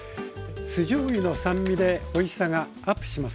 酢じょうゆの酸味でおいしさがアップします。